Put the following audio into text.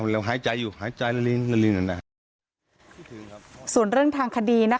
แล้วแล้วหายใจอยู่หายใจผลื่นรีหน่อยส่วนเรื่องทางคดีนะคะ